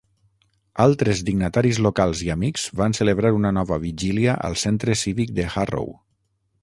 Altres dignataris locals i amics van celebrar una nova vigília al Centre Cívic de Harrow.